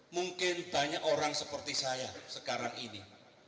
mungkin banyak orang seperti saya sekarang ini